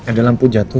ini tadi ada lampu jatuh